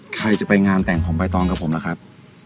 ใครจะไปงานแต่งของใบตองกับผมล่ะครับ